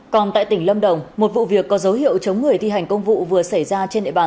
còn tại tỉnh lâm đồng một vụ việc có dấu hiệu chống người thi hành công vụ vừa xảy ra trên địa bàn